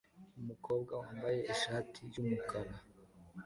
Umukobwa wambaye ishati yumukara